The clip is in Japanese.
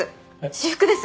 私服です。